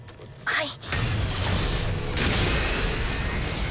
はい。